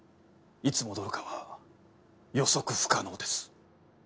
いつ戻るかは予測不可能です。